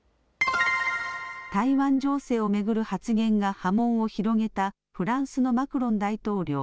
台湾情勢を巡る発言が波紋を広げたフランスのマクロン大統領。